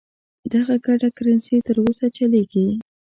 دغه ګډه کرنسي تر اوسه چلیږي.